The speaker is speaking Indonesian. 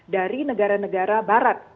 dari negara negara barat